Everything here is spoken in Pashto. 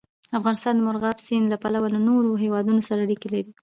افغانستان د مورغاب سیند له پلوه له نورو هېوادونو سره اړیکې لري.